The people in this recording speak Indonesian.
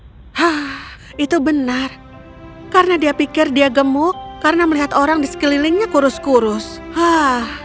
hah itu benar karena dia pikir dia gemuk karena melihat orang di sekelilingnya kurus kurus haa